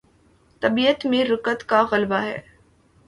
طبیعت میں رقت کا غلبہ ہے۔